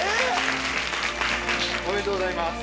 おめでとうございます。